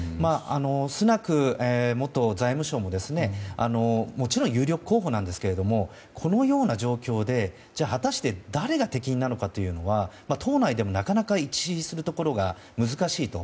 スナク元財務相も、もちろん有力候補なんですけれどもこのような状況で果たして誰が適任かというのは党内でも、なかなか一致するところが難しいと。